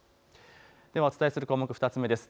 ではお伝えする項目、２つ目です。